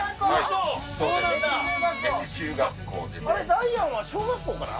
ダイアンは小学校から？